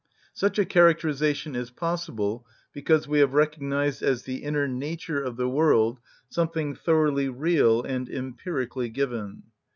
Such a characterisation is possible because we have recognised as the inner nature of the world something thoroughly real and empirically given.